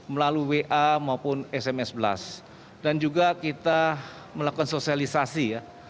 melalui wa maupun sms blast dan juga kita melakukan sosialisasi ya